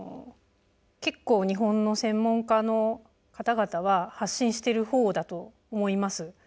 結構、日本の専門家の方々は発信してるほうだと思います。